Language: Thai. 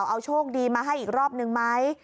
เอาโชคดีมาให้อีกรอบนึงไหม